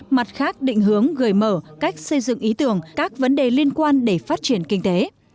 mặt khác định hướng gợi mở cách xây dựng ý tưởng các vấn đề liên quan để phát triển kinh tế